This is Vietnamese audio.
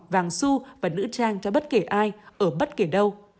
vàng su và nữ trang cho bất kể ai ở bất kỳ đâu